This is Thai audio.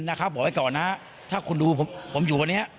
นะครับบอกไว้ก่อนนะถ้าคุณดูผมอยู่บนเนี้ย